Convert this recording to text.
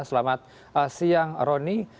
selamat siang roni